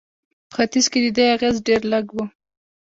په ختیځ کې د دې اغېز ډېر لږ و.